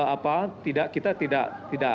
apa tidak kita tidak